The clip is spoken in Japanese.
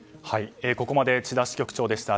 ここまで千田支局長でした。